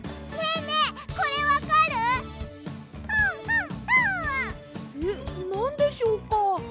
えっなんでしょうか？